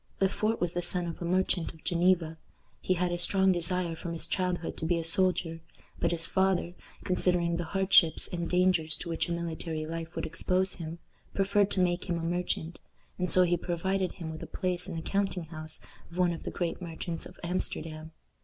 Le Fort was the son of a merchant of Geneva. He had a strong desire from his childhood to be a soldier, but his father, considering the hardships and dangers to which a military life would expose him, preferred to make him a merchant, and so he provided him with a place in the counting house of one of the great merchants of Amsterdam.